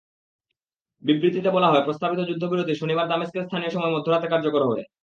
বিবৃতিতে বলা হয়, প্রস্তাবিত যুদ্ধবিরতি শনিবার দামেস্কের স্থানীয় সময় মধ্যরাতে কার্যকর হবে।